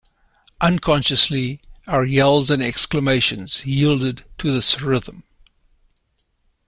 Unconsciously, our yells and exclamations yielded to this rhythm.